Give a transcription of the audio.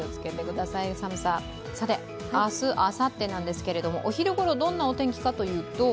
さて、明日、あさってなんですけれども、お昼ごろどんなお天気かというと？